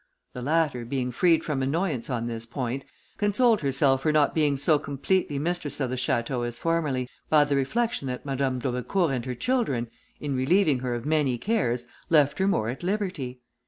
The latter, being freed from annoyance on this point, consoled herself for not being so completely mistress of the château as formerly, by the reflection, that Madame d'Aubecourt and her children, in relieving her of many cares, left her more at liberty.